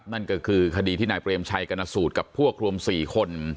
นั่นก็คือคดีที่นายเปรมชัยกรณสูตรกับพวกรวม๔คน